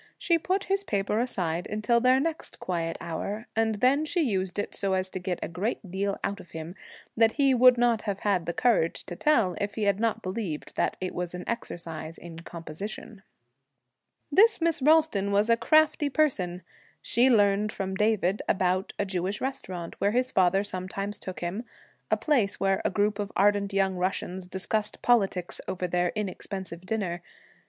She put his paper aside until their next quiet hour, and then she used it so as to get a great deal out of him that he would not have had the courage to tell if he had not believed that it was an exercise in composition. This Miss Ralston was a crafty person. She learned from David about a Jewish restaurant where his father sometimes took him; a place where a group of ardent young Russians discussed politics over their inexpensive dinner.